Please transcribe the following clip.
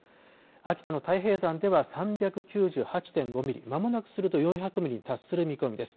秋田の太平山では３９８．５ミリ、まもなくすると４００ミリに達する見込みです。